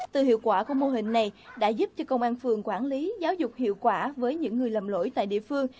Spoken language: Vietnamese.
từ hiệu quả của mô hình này đã giúp cho công an phường quản lý giáo dục hiệu quả với những người lầm lỗi tại địa phương